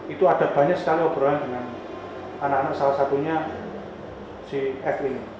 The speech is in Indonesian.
itu ada banyak sekali obrolan dengan anak anak salah satunya si f ini